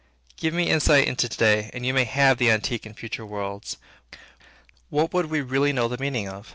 Give me insight into to day, and you may have the antique and future worlds. What would we really know the meaning of?